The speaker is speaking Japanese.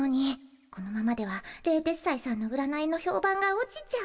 このままでは冷徹斎さんの占いのひょうばんが落ちちゃう。